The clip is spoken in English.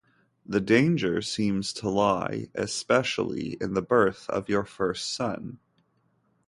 The danger seems to lie especially in the birth of your first son.